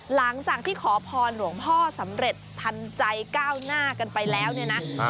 หลังจากที่ขอพรหลวงพ่อสำเร็จทันใจก้าวหน้ากันไปแล้วเนี่ยนะ